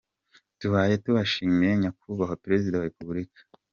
Tubaye tubashimiye nyakubahwa Perezida wa Repubulika.